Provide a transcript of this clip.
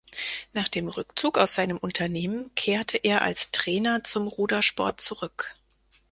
Nach dem Rückzug aus seinen Unternehmen kehrte er als Trainer zum Rudersport zurück.